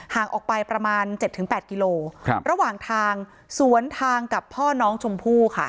ห่างออกไปประมาณ๗๘กิโลระหว่างทางสวนทางกับพ่อน้องชมพู่ค่ะ